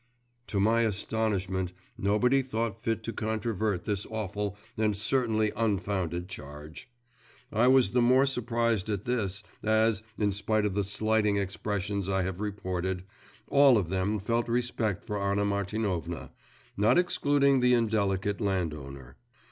To my astonishment, nobody thought fit to controvert this awful and certainly unfounded charge! I was the more surprised at this, as, in spite of the slighting expressions I have reported, all of them felt respect for Anna Martinovna, not excluding the indelicate landowner.